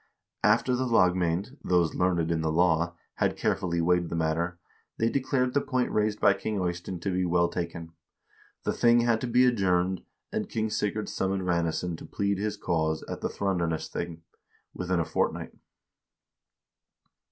After the lagmcend (those learned in the law) had carefully weighed the matter, they declared the point raised by King Eystein to be well taken. The thing had to be adjourned, and King Sigurd summoned Ranesson to plead his cause at the Thrandarnesthing within a fortnight.